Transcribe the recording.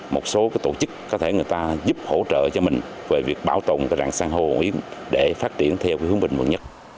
một số tổ chức có thể người ta giúp hỗ trợ cho mình về việc bảo tồn dạng san hô hòn yến để phát triển theo hướng bình mượn nhất